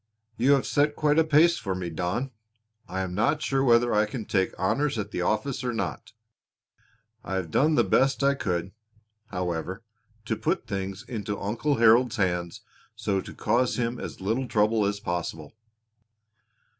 "You have set quite a pace for me, Don! I am not sure whether I can take honors at the office or not. I have done the best I could, however, to put things into Uncle Harold's hands so to cause him as little trouble as possible."